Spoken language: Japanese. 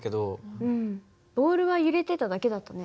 うんボールは揺れてただけだったね。